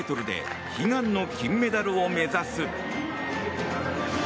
１０００ｍで悲願の金メダルを目指す。